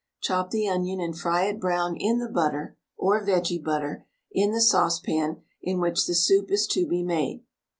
Chop the onion and fry it brown in the butter (or vege butter) in the saucepan in which the soup is to be made.